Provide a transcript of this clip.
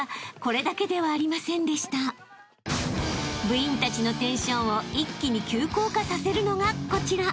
［部員たちのテンションを一気に急降下させるのがこちら］